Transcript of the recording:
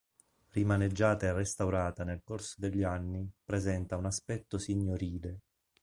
Rimaneggiata e restaurata nel corso degli anni, presenta un aspetto signorile.